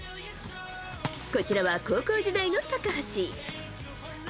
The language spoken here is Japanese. こちらは高校時代の高橋。